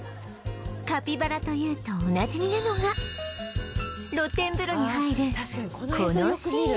カピバラというとおなじみなのが露天風呂に入るこのシーン